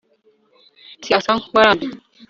Chris asa nkuwarambiwe